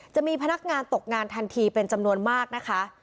จะมีพนักงานตกงานทันทีเป็นจำนวนมากนะคะ